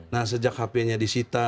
nah sejak hp nya disita